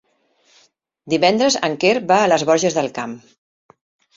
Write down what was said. Divendres en Quer va a les Borges del Camp.